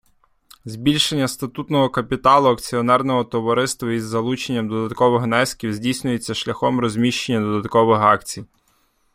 Збільшення статутного капіталу акціонерного товариства із залученням додаткових внесків здійснюється шляхом розміщення додаткових акцій.